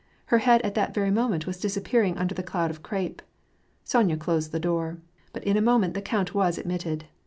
Her head at that ▼ery moment was disappearing under the cloud of cr^pe. Sonya closed the door. But in a moment the count was ad mitted.